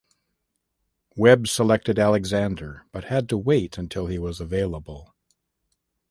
Webb selected Alexander, but had to wait until he was available.